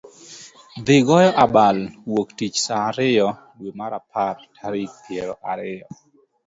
thi goyo abal Wuok Tich saa ariyo, dwe mar apar tarik piero ariyo.